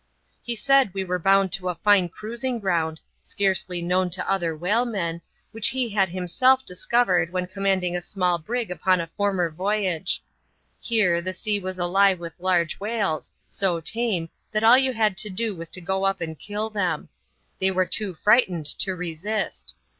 He said we were bound to a fine cruising ground, scarcely known to other whalemen, which he had himself discovered when commanding a small brig upon a former voyage. Here, the sea was alive with large whales, so tame, that all you had to do was to go up and kill them : they were too frightened to resist.